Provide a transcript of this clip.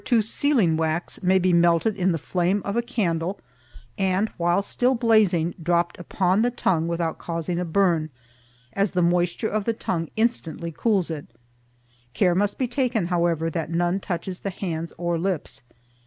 2 sealing wax may be melted in the flame of a candle and, while still blazing, dropped upon the tongue without causing a burn, as the moisture of the tongue instantly cools it. Care must be used, however, that none touches the hands or lips.